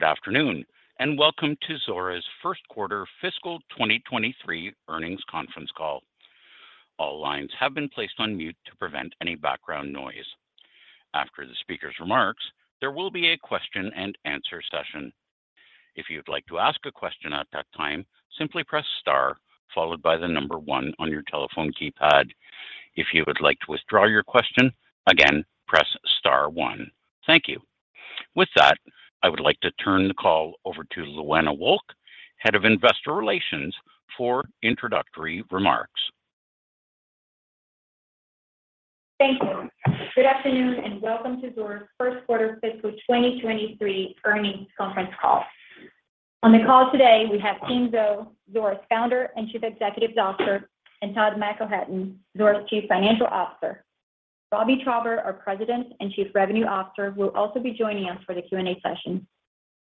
Good afternoon, and welcome to Zuora's First Quarter Fiscal 2023 Earnings Conference Call. All lines have been placed on mute to prevent any background noise. After the speaker's remarks, there will be a question and answer session. If you'd like to ask a question at that time, simply press star followed by the number one on your telephone keypad. If you would like to withdraw your question, again, press star one. Thank you. With that, I would like to turn the call over to Luana Wolk, Head of Investor Relations, for introductory remarks. Thank you. Good afternoon, and welcome to Zuora's First Quarter Fiscal 2023 Earnings Conference Call. On the call today we have Tien Tzuo, Zuora's Founder and Chief Executive Officer, and Todd McElhatton, Zuora's Chief Financial Officer. Robbie Traube, our President and Chief Revenue Officer, will also be joining us for the Q&A session.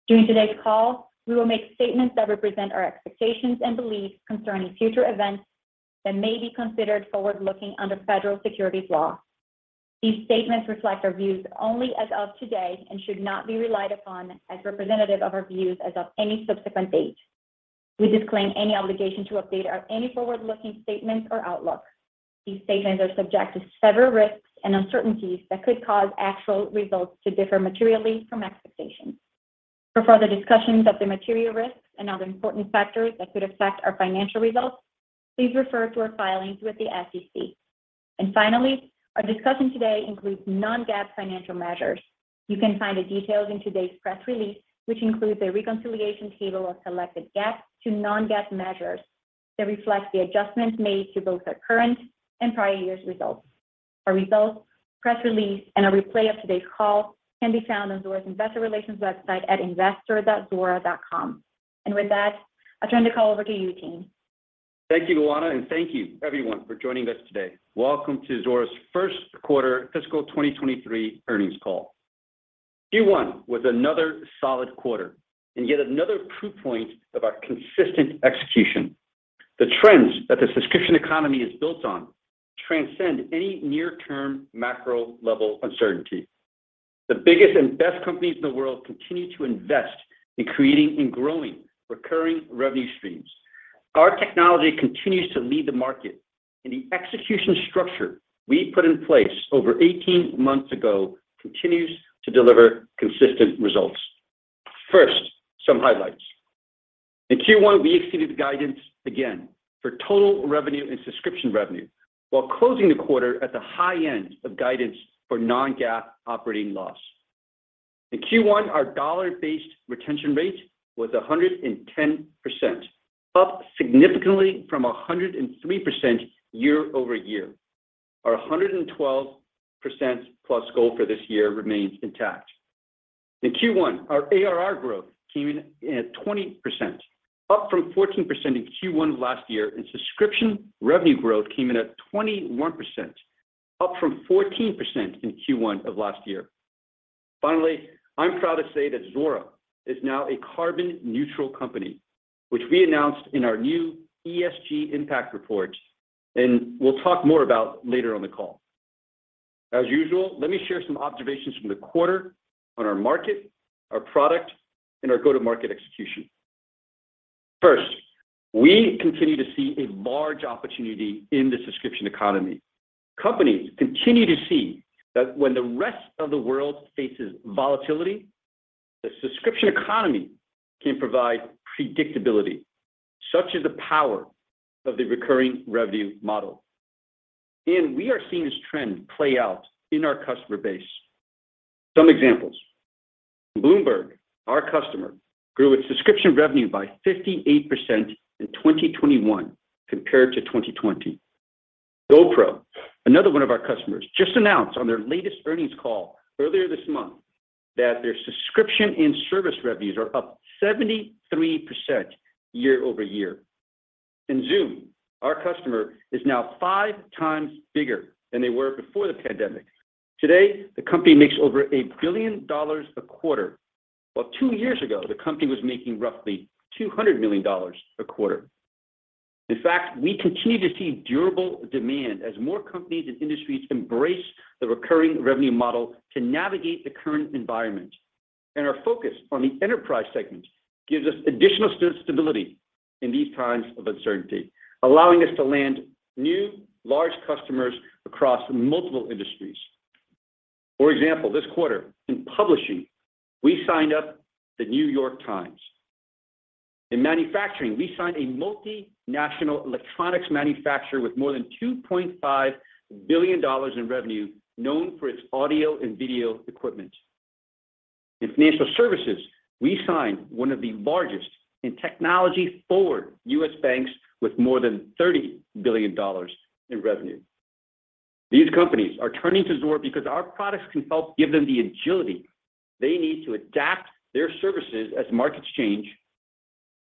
During today's call, we will make statements that represent our expectations and beliefs concerning future events that may be considered forward-looking under federal securities laws. These statements reflect our views only as of today and should not be relied upon as representative of our views as of any subsequent date. We disclaim any obligation to update any forward-looking statements or outlook. These statements are subject to several risks and uncertainties that could cause actual results to differ materially from expectations. For further discussions of the material risks and other important factors that could affect our financial results, please refer to our filings with the SEC. Finally, our discussion today includes non-GAAP financial measures. You can find the details in today's press release, which includes a reconciliation table of selected GAAP to non-GAAP measures that reflect the adjustments made to both our current and prior year's results. Our results, press release, and a replay of today's call can be found on Zuora's investor relations website at investor.zuora.com. With that, I'll turn the call over to you, Tien. Thank you, Luana, and thank you everyone for joining us today. Welcome to Zuora's first quarter fiscal 2023 earnings call. Q1 was another solid quarter and yet another proof point of our consistent execution. The trends that the Subscription Economy is built on transcend any near-term macro level uncertainty. The biggest and best companies in the world continue to invest in creating and growing recurring revenue streams. Our technology continues to lead the market, and the execution structure we put in place over 18 months ago continues to deliver consistent results. First, some highlights. In Q1, we exceeded guidance again for total revenue and subscription revenue while closing the quarter at the high end of guidance for non-GAAP operating loss. In Q1, our dollar-based retention rate was 110%, up significantly from 103% year-over-year. Our 112%+ goal for this year remains intact. In Q1, our ARR growth came in at 20%, up from 14% in Q1 last year, and subscription revenue growth came in at 21%, up from 14% in Q1 of last year. Finally, I'm proud to say that Zuora is now a carbon neutral company, which we announced in our new ESG Impact Report, and we'll talk more about later on the call. As usual, let me share some observations from the quarter on our market, our product, and our go-to-market execution. First, we continue to see a large opportunity in the Subscription Economy. Companies continue to see that when the rest of the world faces volatility, the Subscription Economy can provide predictability, such as the power of the recurring revenue model. We are seeing this trend play out in our customer base. Some examples. Bloomberg, our customer, grew its subscription revenue by 58% in 2021 compared to 2020. GoPro, another one of our customers, just announced on their latest earnings call earlier this month that their subscription and service revenues are up 73% year-over-year. Zoom, our customer, is now five times bigger than they were before the pandemic. Today, the company makes over $1 billion a quarter. While two years ago, the company was making roughly $200 million a quarter. In fact, we continue to see durable demand as more companies and industries embrace the recurring revenue model to navigate the current environment. Our focus on the enterprise segment gives us additional stability in these times of uncertainty, allowing us to land new large customers across multiple industries. For example, this quarter in publishing, we signed up The New York Times. In manufacturing, we signed a multinational electronics manufacturer with more than $2.5 billion in revenue known for its audio and video equipment. In financial services, we signed one of the largest technology-forward U.S. banks with more than $30 billion in revenue. These companies are turning to Zuora because our products can help give them the agility they need to adapt their services as markets change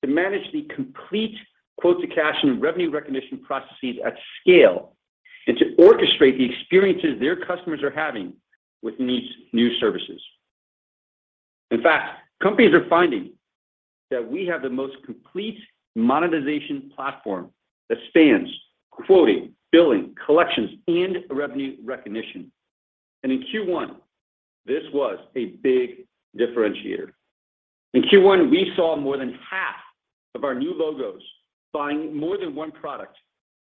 to manage the complete quote-to-cash and revenue recognition processes at scale and to orchestrate the experiences their customers are having with these new services. In fact, companies are finding that we have the most complete monetization platform that spans quoting, billing, collections, and revenue recognition. In Q1, this was a big differentiator. In Q1, we saw more than half of our new logos buying more than one product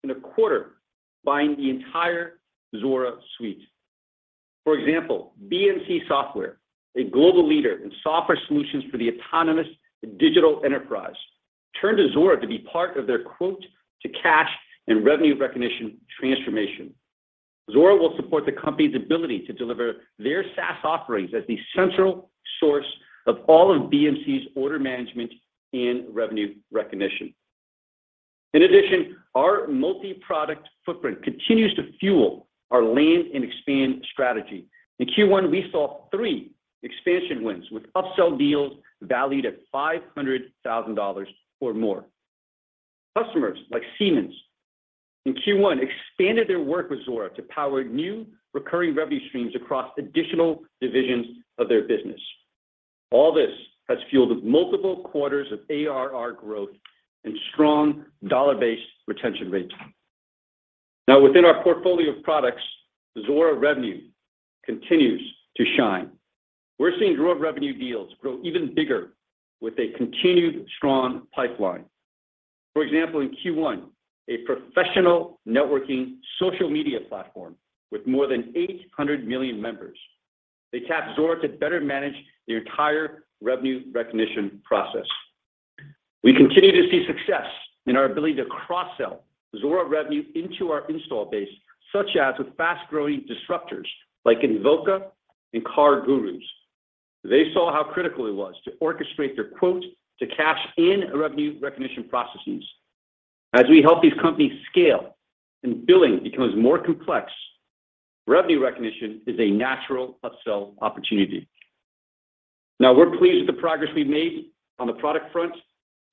and a quarter buying the entire Zuora suite. For example, BMC Software, a global leader in software solutions for the autonomous digital enterprise, turned to Zuora to be part of their quote-to-cash in revenue recognition transformation. Zuora will support the company's ability to deliver their SaaS offerings as the central source of all of BMC's order management and revenue recognition. In addition, our multi-product footprint continues to fuel our land and expand strategy. In Q1, we saw three expansion wins with upsell deals valued at $500,000 or more. Customers like Siemens in Q1 expanded their work with Zuora to power new recurring revenue streams across additional divisions of their business. All this has fueled multiple quarters of ARR growth and strong dollar-based retention rates. Now, within our portfolio of products, Zuora Revenue continues to shine. We're seeing Zuora Revenue deals grow even bigger with a continued strong pipeline. For example, in Q1, a professional networking social media platform with more than 800 million members, they tapped Zuora to better manage their entire revenue recognition process. We continue to see success in our ability to cross-sell Zuora Revenue into our installed base, such as with fast-growing disruptors like Invoca and CarGurus. They saw how critical it was to orchestrate their quote-to-cash and revenue recognition processes. As we help these companies scale and billing becomes more complex, revenue recognition is a natural upsell opportunity. Now, we're pleased with the progress we've made on the product front,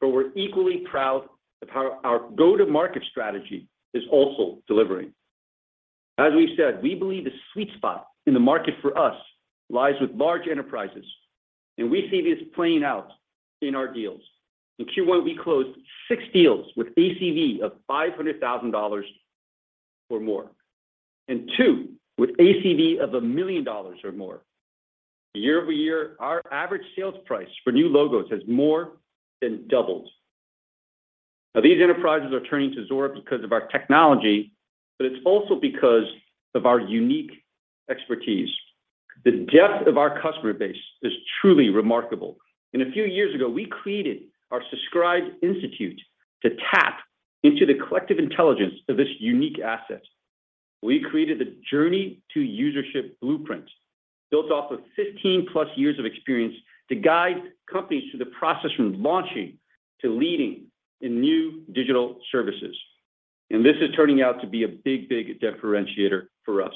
but we're equally proud of how our go-to-market strategy is also delivering. As we've said, we believe the sweet spot in the market for us lies with large enterprises, and we see this playing out in our deals. In Q1, we closed six deals with ACV of $500,000 or more, and two with ACV of $1 million or more. Year-over-year, our average sales price for new logos has more than doubled. Now, these enterprises are turning to Zuora because of our technology, but it's also because of our unique expertise. The depth of our customer base is truly remarkable. A few years ago, we created our Subscribed Institute to tap into the collective intelligence of this unique asset. We created the Journey to Usership Blueprint, built off of 15+ years of experience to guide companies through the process from launching to leading in new digital services. This is turning out to be a big, big differentiator for us.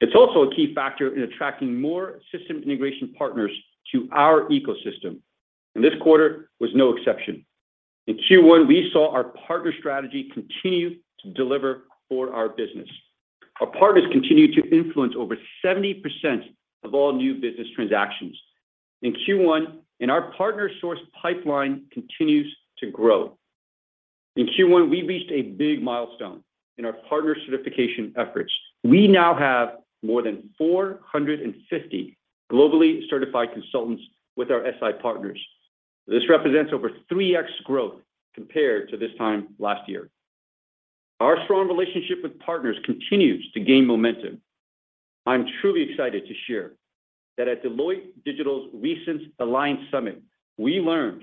It's also a key factor in attracting more system integration partners to our ecosystem. This quarter was no exception. In Q1, we saw our partner strategy continue to deliver for our business. Our partners continued to influence over 70% of all new business transactions. In Q1, our partner source pipeline continues to grow. In Q1, we reached a big milestone in our partner certification efforts. We now have more than 450 globally certified consultants with our SI partners. This represents over 3x growth compared to this time last year. Our strong relationship with partners continues to gain momentum. I'm truly excited to share that at Deloitte Digital's recent Alliance Summit, we learned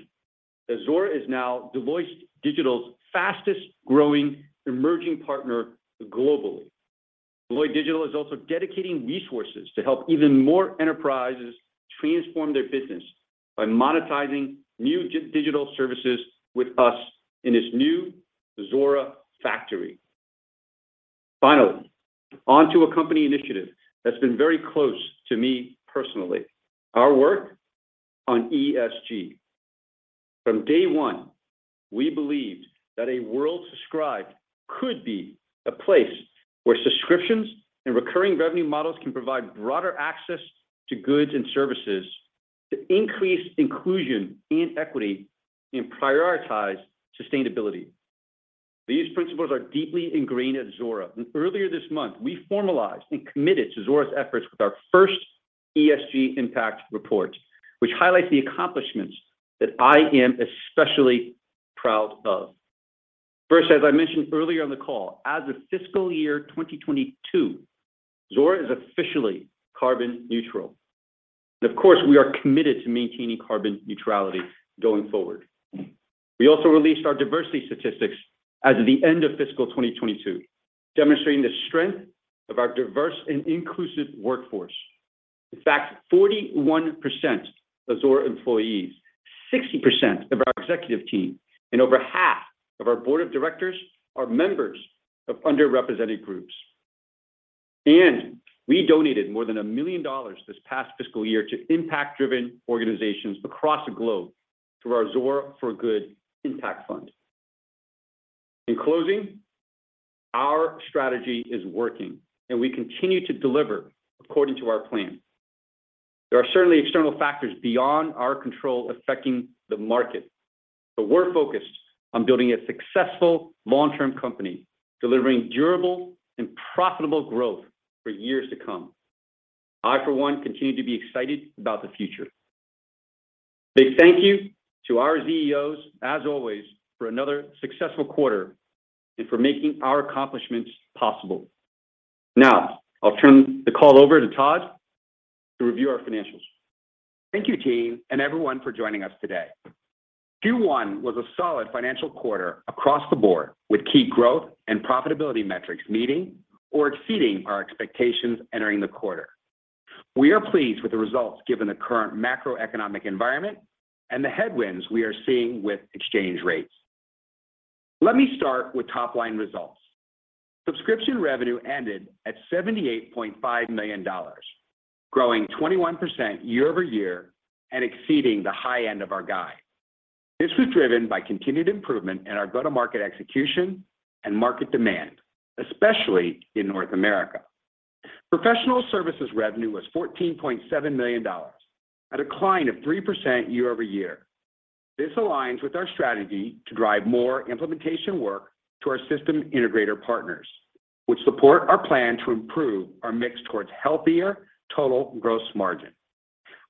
that Zuora is now Deloitte Digital's fastest-growing emerging partner globally. Deloitte Digital is also dedicating resources to help even more enterprises transform their business by monetizing new digital services with us in this new Zuora factory. Finally, on to a company initiative that's been very close to me personally, our work on ESG. From day one, we believed that a world subscribed could be a place where subscriptions and recurring revenue models can provide broader access to goods and services to increase inclusion and equity and prioritize sustainability. These principles are deeply ingrained at Zuora. Earlier this month, we formalized and committed to Zuora's efforts with our first ESG Impact Report, which highlights the accomplishments that I am especially proud of. First, as I mentioned earlier on the call, as of fiscal year 2022, Zuora is officially carbon neutral. Of course, we are committed to maintaining carbon neutrality going forward. We also released our diversity statistics as of the end of fiscal 2022, demonstrating the strength of our diverse and inclusive workforce. In fact, 41% of Zuora employees, 60% of our executive team, and over half of our board of directors are members of underrepresented groups. We donated more than $1 million this past fiscal year to impact-driven organizations across the globe through our Zuora for Good Impact Fund. In closing, our strategy is working and we continue to deliver according to our plan. There are certainly external factors beyond our control affecting the market, but we're focused on building a successful long-term company, delivering durable and profitable growth for years to come. I, for one, continue to be excited about the future. Big thank you to our ZEOs, as always, for another successful quarter and for making our accomplishments possible. Now, I'll turn the call over to Todd to review our financials. Thank you, Tien and everyone for joining us today. Q1 was a solid financial quarter across the board with key growth and profitability metrics meeting or exceeding our expectations entering the quarter. We are pleased with the results given the current macroeconomic environment and the headwinds we are seeing with exchange rates. Let me start with top-line results. Subscription revenue ended at $78.5 million, growing 21% year-over-year and exceeding the high end of our guide. This was driven by continued improvement in our go-to-market execution and market demand, especially in North America. Professional services revenue was $14.7 million, a decline of 3% year-over-year. This aligns with our strategy to drive more implementation work to our system integrator partners, which support our plan to improve our mix towards healthier total gross margin.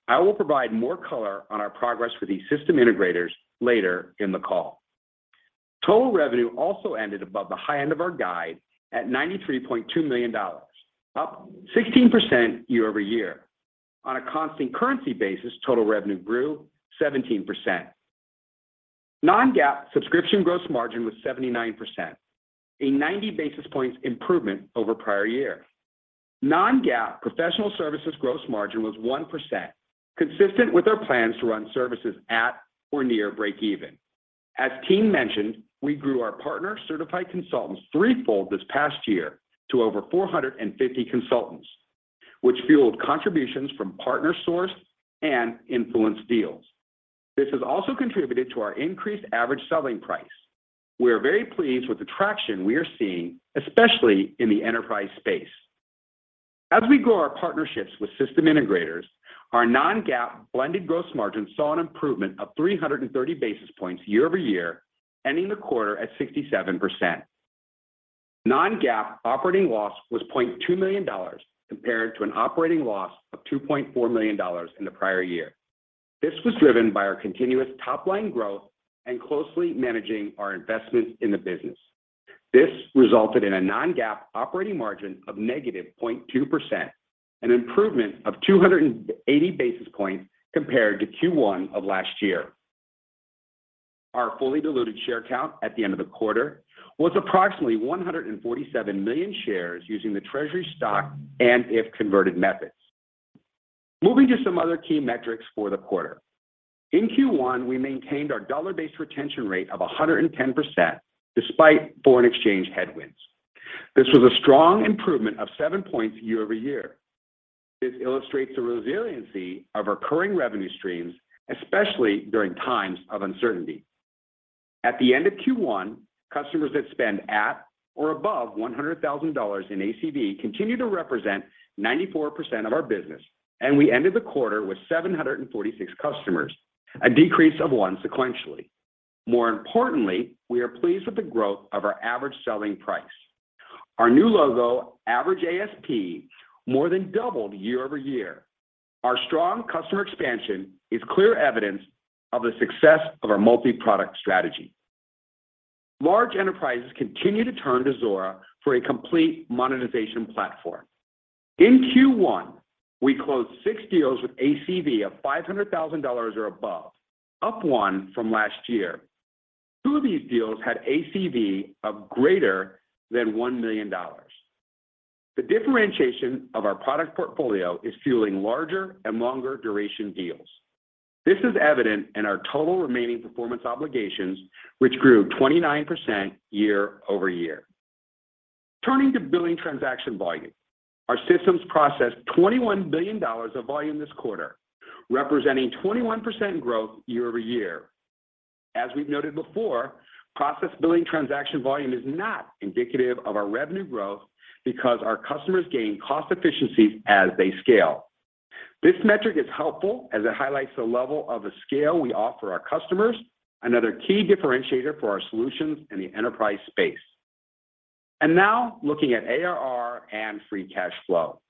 I will provide more color on our progress with these system integrators later in the call. Total revenue also ended above the high end of our guide at $93.2 million, up 16% year-over-year. On a constant currency basis, total revenue grew 17%. non-GAAP subscription gross margin was 79%, a 90 basis points improvement over prior year. non-GAAP professional services gross margin was 1%, consistent with our plans to run services at or near breakeven. As Tien mentioned, we grew our partner certified consultants threefold this past year to over 450 consultants, which fueled contributions from partner source and influenced deals. This has also contributed to our increased average selling price. We are very pleased with the traction we are seeing, especially in the enterprise space. As we grow our partnerships with system integrators, our non-GAAP blended gross margin saw an improvement of 330 basis points year-over-year, ending the quarter at 67%. Non-GAAP operating loss was $0.2 million, compared to an operating loss of $2.4 million in the prior year. This was driven by our continuous top-line growth and closely managing our investments in the business. This resulted in a non-GAAP operating margin of -0.2%, an improvement of 280 basis points compared to Q1 of last year. Our fully diluted share count at the end of the quarter was approximately 147 million shares using the treasury stock and if-converted methods. Moving to some other key metrics for the quarter. In Q1, we maintained our dollar-based retention rate of 110% despite foreign exchange headwinds. This was a strong improvement of seven points year-over-year. This illustrates the resiliency of recurring revenue streams, especially during times of uncertainty. At the end of Q1, customers that spend at or above $100,000 in ACV continued to represent 94% of our business, and we ended the quarter with 746 customers, a decrease of one sequentially. More importantly, we are pleased with the growth of our average selling price. Our new logo average ASP more than doubled year-over-year. Our strong customer expansion is clear evidence of the success of our multi-product strategy. Large enterprises continue to turn to Zuora for a complete monetization platform. In Q1, we closed six deals with ACV of $500,000 or above, up 1 from last year. Two of these deals had ACV of greater than $1 million. The differentiation of our product portfolio is fueling larger and longer duration deals. This is evident in our total remaining performance obligations, which grew 29% year-over-year. Turning to billing transaction volume. Our systems processed $21 billion of volume this quarter, representing 21% growth year-over-year. As we've noted before, processed billing transaction volume is not indicative of our revenue growth because our customers gain cost efficiencies as they scale. This metric is helpful as it highlights the level of the scale we offer our customers, another key differentiator for our solutions in the enterprise space. Now looking at ARR and free cash flow.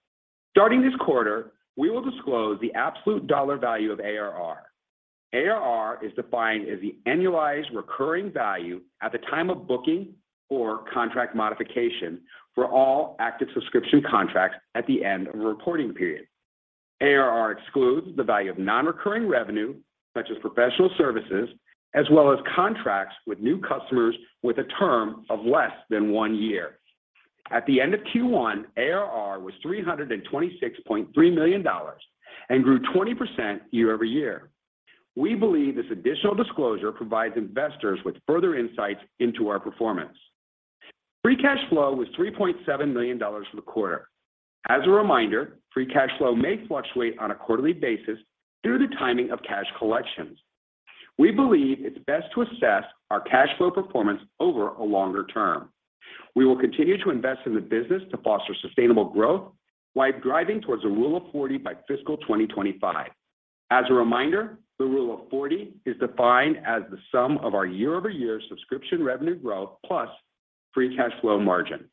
Starting this quarter, we will disclose the absolute dollar value of ARR. ARR is defined as the annualized recurring value at the time of booking or contract modification for all active subscription contracts at the end of a reporting period. ARR excludes the value of non-recurring revenue, such as professional services, as well as contracts with new customers with a term of less than one year. At the end of Q1, ARR was $326.3 million and grew 20% year-over-year. We believe this additional disclosure provides investors with further insights into our performance. Free cash flow was $3.7 million in the quarter. As a reminder, free cash flow may fluctuate on a quarterly basis due to the timing of cash collections. We believe it's best to assess our cash flow performance over a longer term. We will continue to invest in the business to foster sustainable growth while driving towards a Rule of 40 by fiscal 2025. As a reminder, the Rule of 40 is defined as the sum of our year-over-year subscription revenue growth plus free cash flow margin.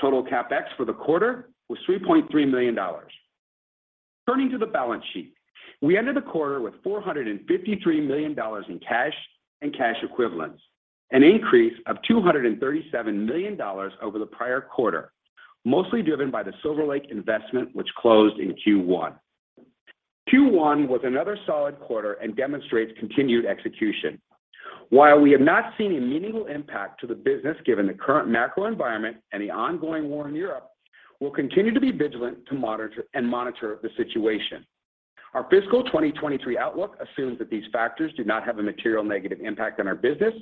Total CapEx for the quarter was $3.3 million. Turning to the balance sheet. We ended the quarter with $453 million in cash and cash equivalents, an increase of $237 million over the prior quarter, mostly driven by the Silver Lake investment, which closed in Q1. Q1 was another solid quarter and demonstrates continued execution. While we have not seen a meaningful impact to the business given the current macro environment and the ongoing war in Europe, we'll continue to be vigilant to monitor the situation. Our fiscal 2023 outlook assumes that these factors do not have a material negative impact on our business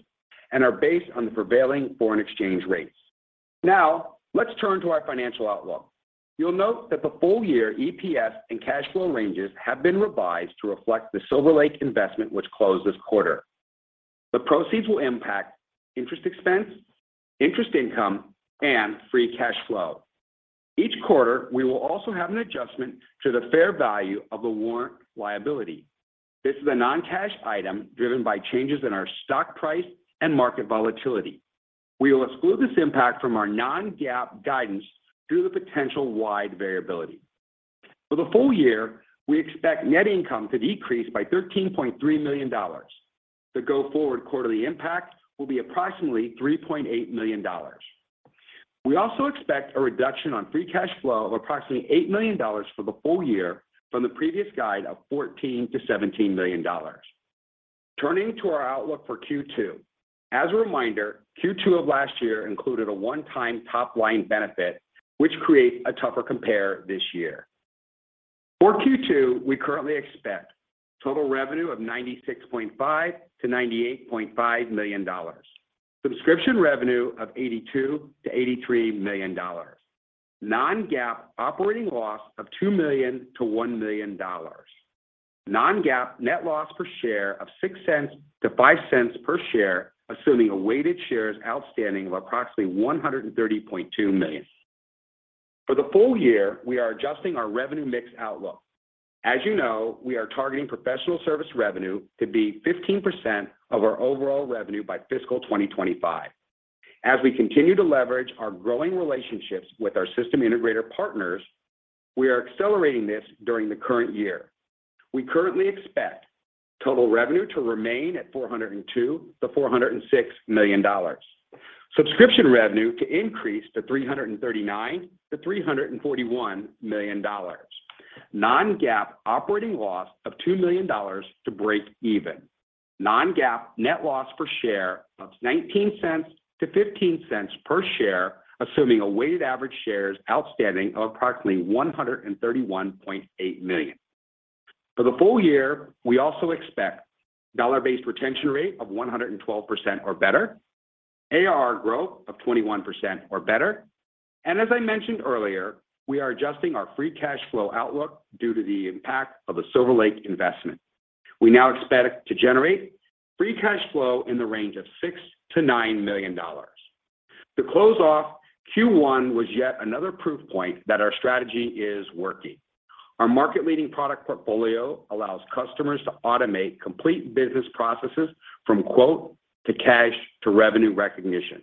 and are based on the prevailing foreign exchange rates. Now let's turn to our financial outlook. You'll note that the full year EPS and cash flow ranges have been revised to reflect the Silver Lake investment, which closed this quarter. The proceeds will impact interest expense, interest income, and free cash flow. Each quarter, we will also have an adjustment to the fair value of the warrant liability. This is a non-cash item driven by changes in our stock price and market volatility. We will exclude this impact from our non-GAAP guidance due to the potential wide variability. For the full year, we expect net income to decrease by $13.3 million. The go-forward quarterly impact will be approximately $3.8 million. We also expect a reduction on free cash flow of approximately $8 million for the full year from the previous guide of $14 million-$17 million. Turning to our outlook for Q2. As a reminder, Q2 of last year included a one-time top-line benefit, which creates a tougher compare this year. For Q2, we currently expect total revenue of $96.5 million-$98.5 million. Subscription revenue of $82 million-$83 million. Non-GAAP operating loss of $2 million-$1 million. Non-GAAP net loss per share of $0.06-$0.05 per share, assuming a weighted shares outstanding of approximately 130.2 million. For the full year, we are adjusting our revenue mix outlook. As you know, we are targeting professional service revenue to be 15% of our overall revenue by fiscal 2025. As we continue to leverage our growing relationships with our system integrator partners, we are accelerating this during the current year. We currently expect total revenue to remain at $402 million-$406 million. Subscription revenue to increase to $339 million-$341 million. Non-GAAP operating loss of $2 million to break even. Non-GAAP net loss per share of $0.19-$0.15 per share, assuming a weighted average shares outstanding of approximately 131.8 million. For the full year, we also expect dollar-based retention rate of 112% or better, ARR growth of 21% or better. As I mentioned earlier, we are adjusting our free cash flow outlook due to the impact of the Silver Lake investment. We now expect to generate free cash flow in the range of $6 million-$9 million. To close off, Q1 was yet another proof point that our strategy is working. Our market-leading product portfolio allows customers to automate complete business processes from quote-to-cash to revenue recognition.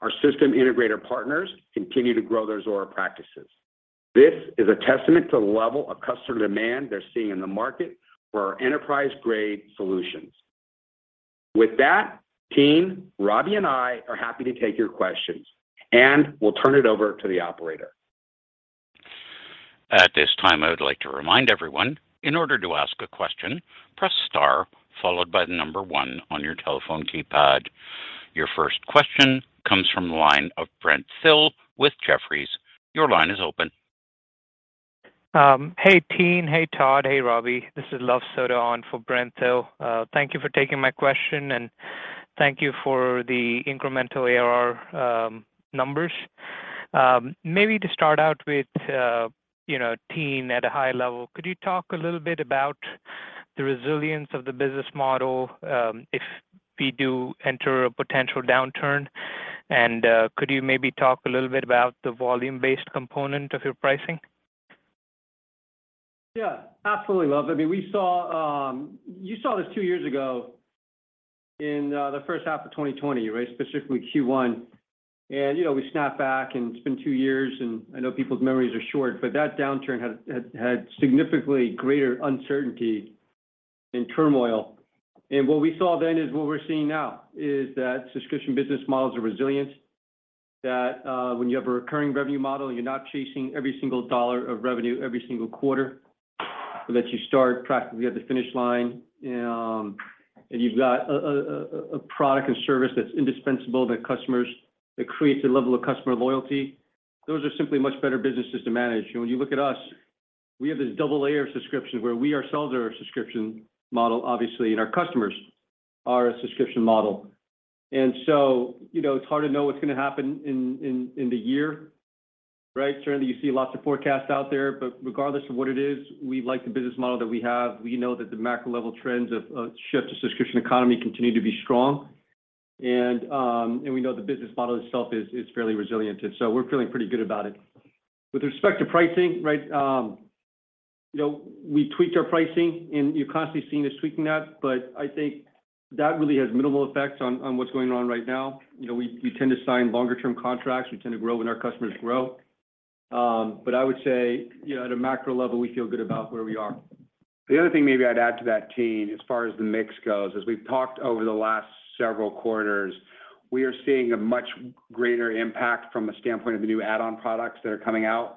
Our system integrator partners continue to grow their Zuora practices. This is a testament to the level of customer demand they're seeing in the market for our enterprise-grade solutions. With that, Tien, Robbie, and I are happy to take your questions, and we'll turn it over to the operator. At this time, I would like to remind everyone, in order to ask a question, press star followed by the number one on your telephone keypad. Your first question comes from the line of Brent Thill with Jefferies. Your line is open. Hey, Tien. Hey, Todd. Hey, Robbie. This is Luv Sodha on for Brent Thill. Thank you for taking my question, and thank you for the incremental ARR numbers. Maybe to start out with, you know, Tien, at a high level, could you talk a little bit about the resilience of the business model, if we do enter a potential downturn? Could you maybe talk a little bit about the volume-based component of your pricing? Yeah, absolutely, Luv. I mean, we saw, you saw this two years ago in the first half of 2020, right? Specifically Q1. You know, we snapped back, and it's been two years, and I know people's memories are short, but that downturn had significantly greater uncertainty and turmoil. What we saw then is what we're seeing now, is that subscription business models are resilient, that when you have a recurring revenue model, you're not chasing every single dollar of revenue every single quarter that you start practically at the finish line. And you've got a product and service that's indispensable that customers that creates a level of customer loyalty. Those are simply much better businesses to manage. When you look at us We have this double layer of subscription where we ourselves are a subscription model, obviously, and our customers are a subscription model. You know, it's hard to know what's gonna happen in the year, right? Certainly, you see lots of forecasts out there, but regardless of what it is, we like the business model that we have. We know that the macro level trends of shift to Subscription Economy continue to be strong. We know the business model itself is fairly resilient, and so we're feeling pretty good about it. With respect to pricing, right, you know, we tweaked our pricing, and you're constantly seeing us tweaking that. I think that really has minimal effects on what's going on right now. You know, we tend to sign longer term contracts. We tend to grow when our customers grow. I would say, you know, at a macro level, we feel good about where we are. The other thing maybe I'd add to that, Tien, as far as the mix goes, as we've talked over the last several quarters, we are seeing a much greater impact from a standpoint of the new add-on products that are coming out.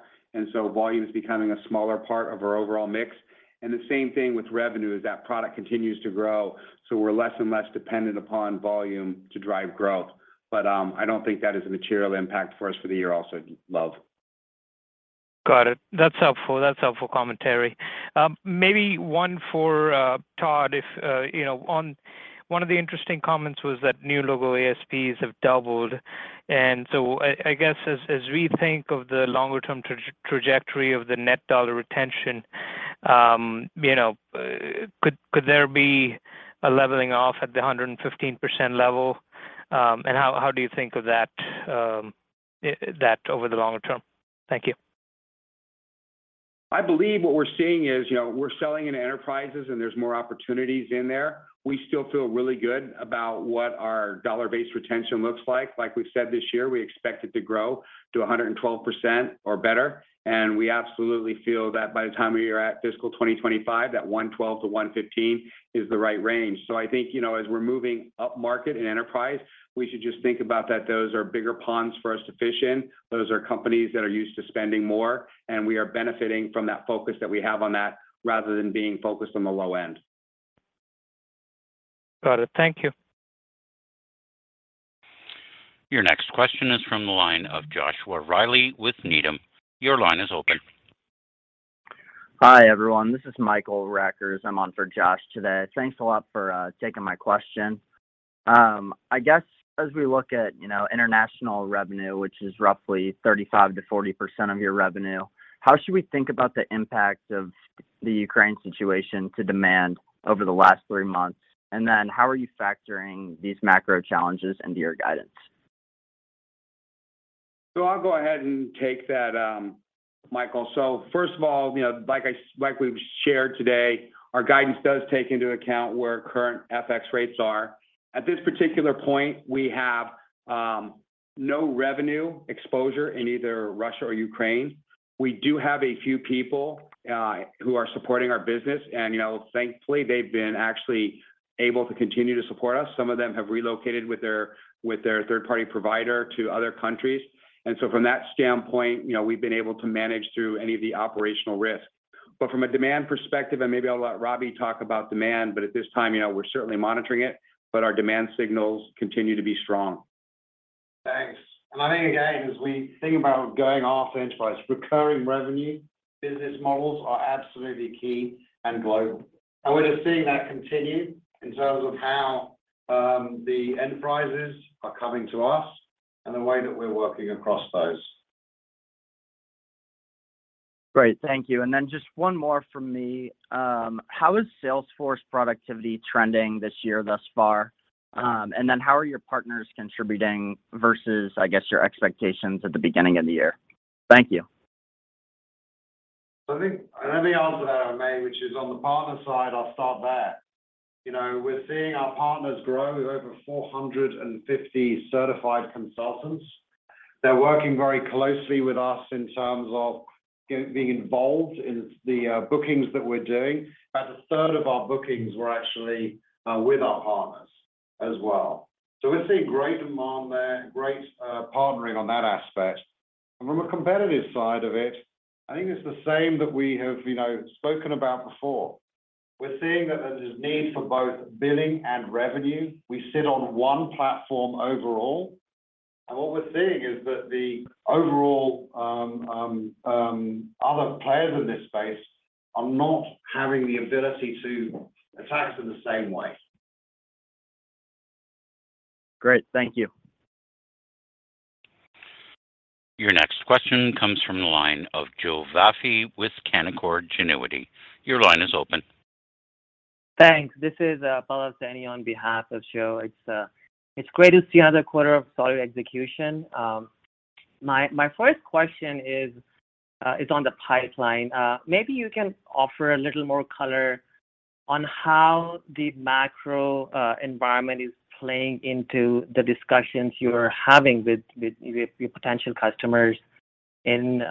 Volume is becoming a smaller part of our overall mix. The same thing with revenue, as that product continues to grow, so we're less and less dependent upon volume to drive growth. I don't think that is a material impact for us for the year also, Luv. Got it. That's helpful commentary. Maybe one for Todd, if you know. One of the interesting comments was that new logo ASPs have doubled. I guess as we think of the longer term trajectory of the net dollar retention, you know, could there be a leveling off at the 115% level? How do you think of that over the longer term? Thank you. I believe what we're seeing is, you know, we're selling into enterprises, and there's more opportunities in there. We still feel really good about what our dollar-based retention looks like. Like we've said this year, we expect it to grow to 112% or better. We absolutely feel that by the time we are at fiscal 2025, that 112%-115% is the right range. I think, you know, as we're moving up market in enterprise, we should just think about those are bigger ponds for us to fish in. Those are companies that are used to spending more, and we are benefiting from that focus that we have on that, rather than being focused on the low end. Got it. Thank you. Your next question is from the line of Joshua Reilly with Needham. Your line is open. Hi, everyone. This is Michael Rackers. I'm on for Josh today. Thanks a lot for taking my question. I guess as we look at, you know, international revenue, which is roughly 35%-40% of your revenue, how should we think about the impact of the Ukraine situation to demand over the last three months? How are you factoring these macro challenges into your guidance? I'll go ahead and take that, Michael. First of all, you know, like we've shared today, our guidance does take into account where current FX rates are. At this particular point, we have no revenue exposure in either Russia or Ukraine. We do have a few people who are supporting our business, and you know, thankfully, they've been actually able to continue to support us. Some of them have relocated with their third-party provider to other countries. From that standpoint, you know, we've been able to manage through any of the operational risk. From a demand perspective, and maybe I'll let Robbie talk about demand, but at this time, you know, we're certainly monitoring it, but our demand signals continue to be strong. Thanks. I think, again, as we think about going after enterprise, recurring revenue business models are absolutely key and global. We're just seeing that continue in terms of how, the enterprises are coming to us and the way that we're working across those. Great. Thank you. Just one more from me. How is Salesforce productivity trending this year thus far? How are your partners contributing versus, I guess, your expectations at the beginning of the year? Thank you. I think let me answer that one, mate, which is on the partner side. I'll start there. You know, we're seeing our partners grow. We have over 450 certified consultants. They're working very closely with us in terms of being involved in the bookings that we're doing. About a third of our bookings were actually with our partners as well. We're seeing great demand there, great partnering on that aspect. From a competitive side of it, I think it's the same that we have, you know, spoken about before. We're seeing that there's this need for both billing and revenue. We sit on one platform overall. What we're seeing is that the overall other players in this space are not having the ability to attack it in the same way. Great. Thank you. Your next question comes from the line of Joe Vafi with Canaccord Genuity. Your line is open. Thanks. This is Pallav Soni on behalf of Joe Vafi. It's great to see another quarter of solid execution. My first question is on the pipeline. Maybe you can offer a little more color on how the macro environment is playing into the discussions you're having with your potential customers in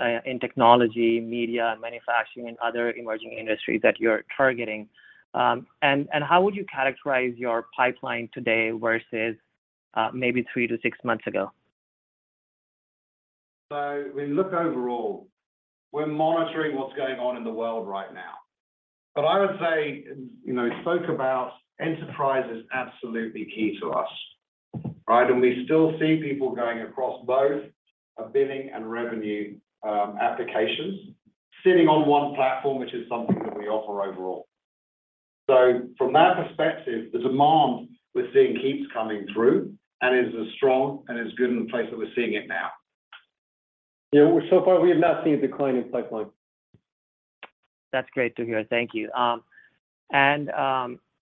technology, media, manufacturing and other emerging industries that you're targeting. How would you characterize your pipeline today versus maybe 3-6 months ago? When you look overall, we're monitoring what's going on in the world right now. But I would say, you know, spoke about enterprise is absolutely key to us, right? We still see people going across both billing and revenue applications sitting on one platform, which is something that we offer overall. From that perspective, the demand we're seeing keeps coming through and is as strong and as good in the place that we're seeing it now. Yeah, so far we have not seen a decline in pipeline. That's great to hear. Thank you.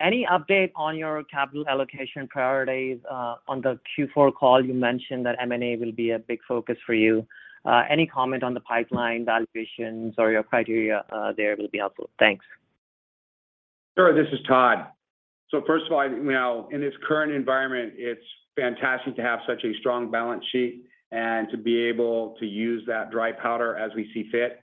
Any update on your capital allocation priorities? On the Q4 call, you mentioned that M&A will be a big focus for you. Any comment on the pipeline valuations or your criteria? That would be helpful. Thanks. Sure. This is Todd. First of all, you know, in this current environment, it's fantastic to have such a strong balance sheet and to be able to use that dry powder as we see fit.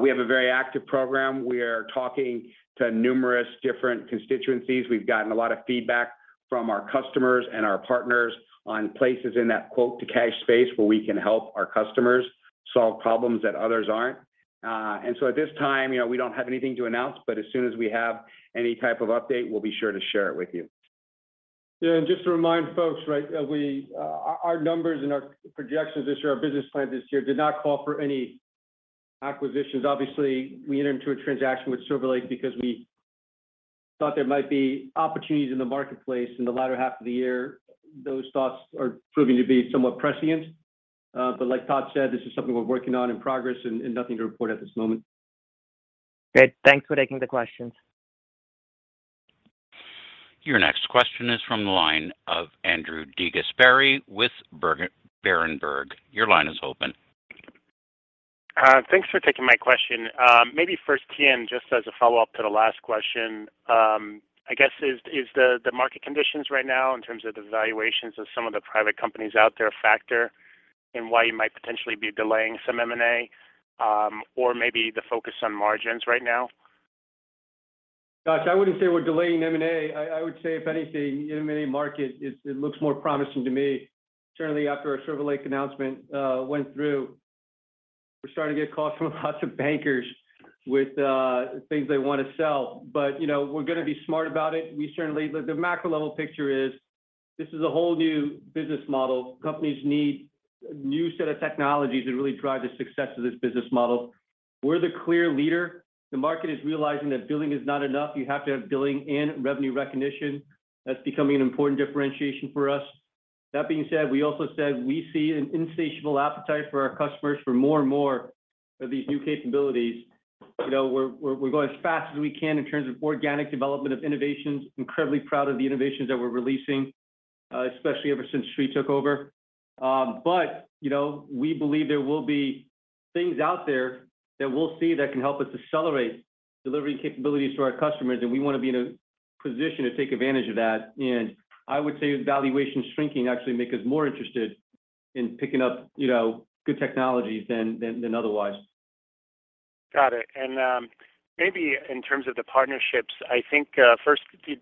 We have a very active program. We are talking to numerous different constituencies. We've gotten a lot of feedback from our customers and our partners on places in that quote-to-cash space where we can help our customers solve problems that others aren't. At this time, you know, we don't have anything to announce, but as soon as we have any type of update, we'll be sure to share it with you. Yeah. Just to remind folks, right, we our numbers and our projections this year, our business plan this year did not call for any acquisitions. Obviously, we entered into a transaction with Silver Lake because we thought there might be opportunities in the marketplace in the latter half of the year. Those thoughts are proving to be somewhat prescient. Like Todd said, this is something we're working on in progress and nothing to report at this moment. Great. Thanks for taking the questions. Your next question is from the line of Andrew DeGasperi with Berenberg. Your line is open. Thanks for taking my question. Maybe first, Tien, just as a follow-up to the last question, I guess, is the market conditions right now in terms of the valuations of some of the private companies out there a factor in why you might potentially be delaying some M&A, or maybe the focus on margins right now? Gosh, I wouldn't say we're delaying M&A. I would say if anything, M&A market it looks more promising to me. Certainly after our Silver Lake announcement went through, we're starting to get calls from lots of bankers with things they wanna sell. You know, we're gonna be smart about it. The macro level picture is this is a whole new business model. Companies need a new set of technologies that really drive the success of this business model. We're the clear leader. The market is realizing that billing is not enough. You have to have billing and revenue recognition. That's becoming an important differentiation for us. That being said, we also said we see an insatiable appetite for our customers for more and more of these new capabilities. You know, we're going as fast as we can in terms of organic development of innovations. Incredibly proud of the innovations that we're releasing, especially ever since Sri took over. But, you know, we believe there will be things out there that we'll see that can help us accelerate delivering capabilities to our customers, and we wanna be in a position to take advantage of that. I would say with valuation shrinking actually make us more interested in picking up, you know, good technologies than otherwise. Got it. Maybe in terms of the partnerships, I think, first, can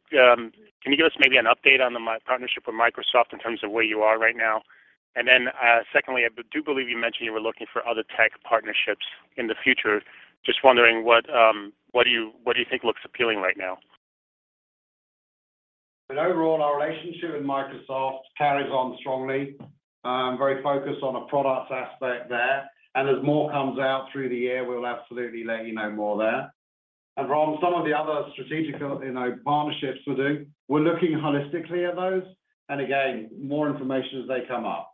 you give us maybe an update on the partnership with Microsoft in terms of where you are right now? Secondly, I do believe you mentioned you were looking for other tech partnerships in the future. Just wondering what do you think looks appealing right now? Overall, our relationship with Microsoft carries on strongly, very focused on a product aspect there. As more comes out through the year, we'll absolutely let you know more there. Ron, some of the other strategic, you know, partnerships we're doing, we're looking holistically at those. Again, more information as they come up.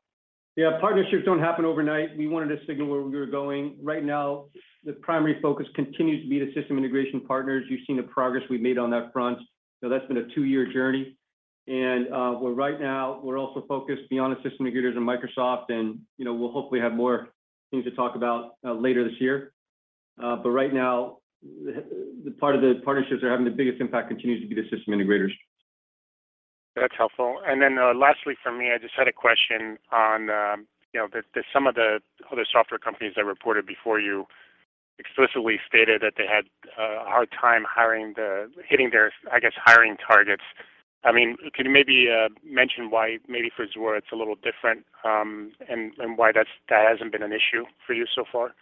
Yeah, partnerships don't happen overnight. We wanted to signal where we were going. Right now, the primary focus continues to be the system integration partners. You've seen the progress we've made on that front. That's been a two-year journey. We're right now also focused beyond the system integrators and Microsoft, and, you know, we'll hopefully have more things to talk about later this year. Right now, the part of the partnerships that are having the biggest impact continues to be the system integrators. That's helpful. Then, lastly for me, I just had a question on, you know, some of the other software companies that reported before you explicitly stated that they had a hard time hitting their, I guess, hiring targets. I mean, can you maybe mention why maybe for Zuora it's a little different, and why that hasn't been an issue for you so far?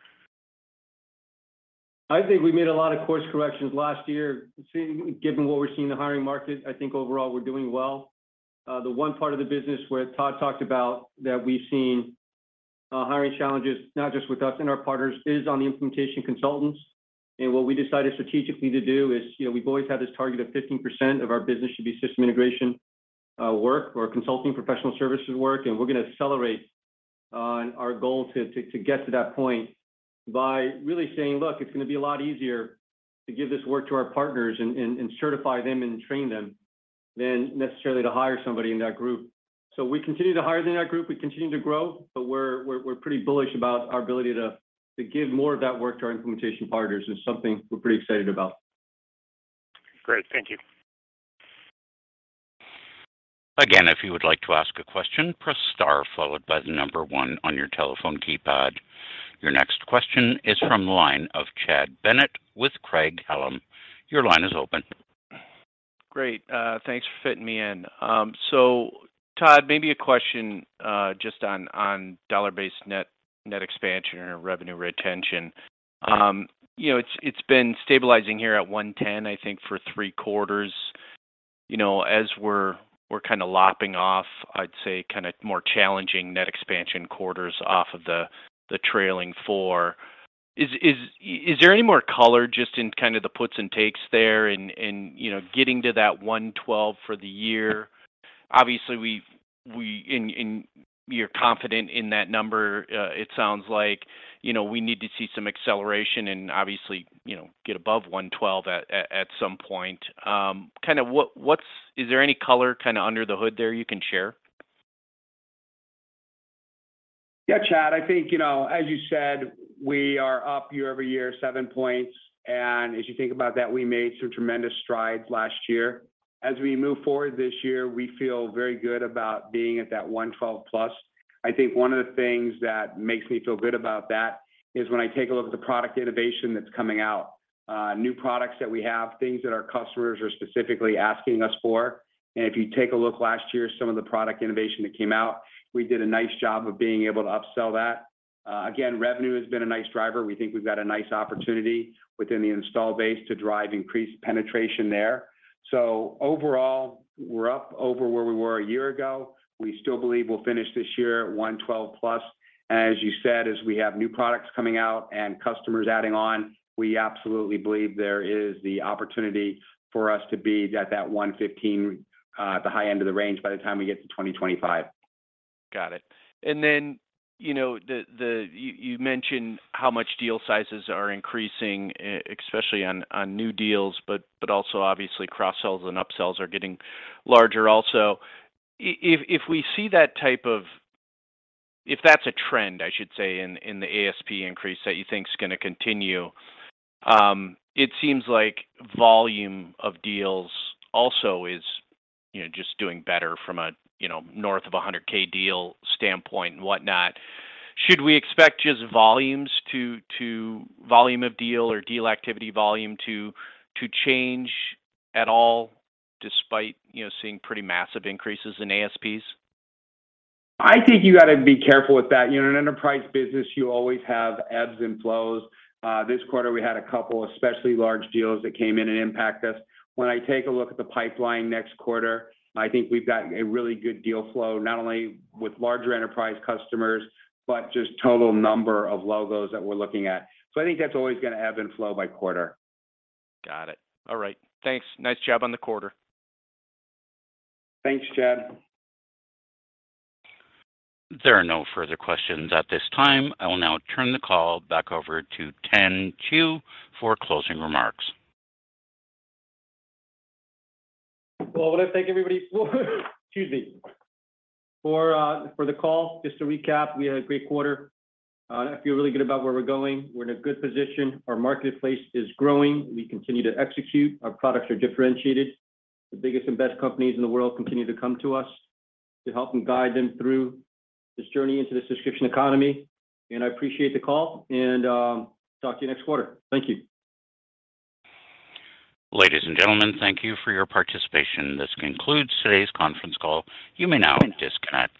I think we made a lot of course corrections last year, given what we're seeing in the hiring market. I think overall we're doing well. The one part of the business where Todd talked about that we've seen hiring challenges, not just with us and our partners, is on the implementation consultants. What we decided strategically to do is, you know, we've always had this target of 15% of our business should be system integration work or consulting professional services work, and we're gonna accelerate our goal to get to that point by really saying, "Look, it's gonna be a lot easier to give this work to our partners and certify them and train them than necessarily to hire somebody in that group." We continue to hire in that group. We continue to grow, but we're pretty bullish about our ability to give more of that work to our implementation partners. It's something we're pretty excited about. Great. Thank you. Again, if you would like to ask a question, press star followed by the number one on your telephone keypad. Your next question is from the line of Chad Bennett with Craig-Hallum. Your line is open. Great. Thanks for fitting me in. So Todd, maybe a question, just on dollar-based net expansion or revenue retention. You know, it's been stabilizing here at 110%, I think, for three quarters. You know, as we're kinda lopping off, I'd say, kinda more challenging net expansion quarters off of the trailing four. Is there any more color just in kind of the puts and takes there in getting to that 112% for the year? Obviously, you're confident in that number. It sounds like, you know, we need to see some acceleration and obviously, you know, get above 112% at some point. Kinda, what is there any color kinda under the hood there you can share? Yeah, Chad. I think, you know, as you said, we are up year-over-year seven points. As you think about that, we made some tremendous strides last year. As we move forward this year, we feel very good about being at that 112+. I think one of the things that makes me feel good about that is when I take a look at the product innovation that's coming out, new products that we have, things that our customers are specifically asking us for. If you take a look last year, some of the product innovation that came out, we did a nice job of being able to upsell that. Again, revenue has been a nice driver. We think we've got a nice opportunity within the installed base to drive increased penetration there. Overall, we're up over where we were a year ago. We still believe we'll finish this year at $112+. As you said, as we have new products coming out and customers adding on, we absolutely believe there is the opportunity for us to be at that $115, the high end of the range by the time we get to 2025. Got it. Then, you know, you mentioned how much deal sizes are increasing, especially on new deals, but also obviously cross sells and upsells are getting larger also. If that's a trend, I should say, in the ASP increase that you think is gonna continue, it seems like volume of deals also is, you know, just doing better from a, you know, north of 100K deal standpoint and whatnot. Should we expect just volume of deals or deal activity volume to change at all despite, you know, seeing pretty massive increases in ASPs? I think you gotta be careful with that. You know, in an enterprise business, you always have ebbs and flows. This quarter, we had a couple of especially large deals that came in and impact us. When I take a look at the pipeline next quarter, I think we've got a really good deal flow, not only with larger enterprise customers, but just total number of logos that we're looking at. I think that's always gonna ebb and flow by quarter. Got it. All right. Thanks. Nice job on the quarter. Thanks, Chad. There are no further questions at this time. I will now turn the call back over to Tien Tzuo for closing remarks. Well, I wanna thank everybody for the call. Just to recap, we had a great quarter. I feel really good about where we're going. We're in a good position. Our marketplace is growing. We continue to execute. Our products are differentiated. The biggest and best companies in the world continue to come to us to help and guide them through this journey into this Subscription Economy. I appreciate the call and talk to you next quarter. Thank you. Ladies and gentlemen, thank you for your participation. This concludes today's conference call. You may now disconnect.